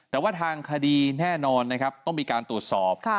แต่ว่าทางคดีแน่นอนนะครับต้องมีการตรวจสอบ